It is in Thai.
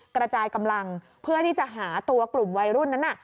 กระจายกำลังเพื่อที่จะหาตัวกลุ่มวัยรุ่นนั้น